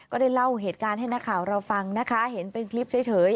ก็ได้เล่าเหตุการณ์ให้นักข่าวเราฟังนะคะเห็นเป็นคลิปเฉย